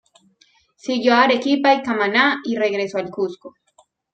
Siguió a Arequipa y Camaná y regresó al Cuzco.